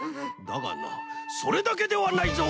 だがなそれだけではないぞ！